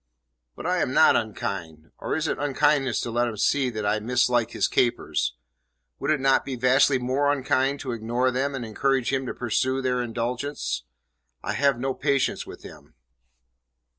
"But I am not unkind. Or is it unkindness to let him see that I mislike his capers? Would it not be vastly more unkind to ignore them and encourage him to pursue their indulgence? I have no patience with him."